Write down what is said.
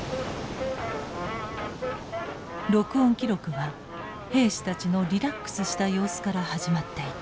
録音記録は兵士たちのリラックスした様子から始まっていた。